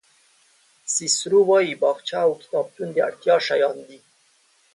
سیسرو وایي باغچه او کتابتون د اړتیا شیان دي.